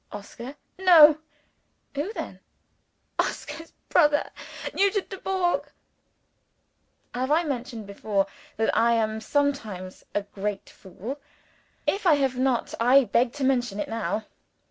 "Oscar?" "No." "Who then?" "Oscar's brother. Nugent Dubourg." (Have I mentioned before, that I am sometimes a great fool? If I have not, I beg to mention it now.